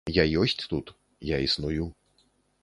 Я ёсць тут, я існую.